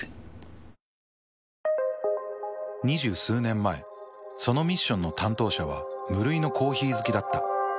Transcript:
２０数年前そのミッションの担当者は無類のコーヒー好きだった。